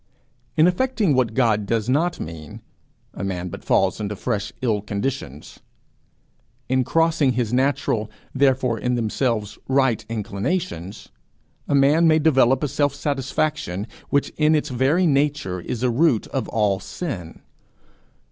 In effecting what God does not mean, a man but falls into fresh ill conditions. In crossing his natural, therefore in themselves right inclinations, a man may develop a self satisfaction which in its very nature is a root of all sin.